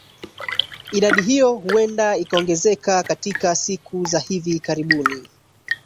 idadi hiyo huenda ikaongezeka katika siku za hivi karibuni